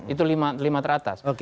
itu lima teratas